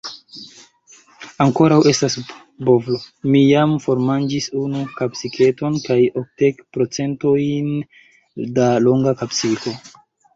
Ankoraŭ estas bovlo, mi jam formanĝis unu kapsiketon, kaj okdek procentojn da longa kapsiko.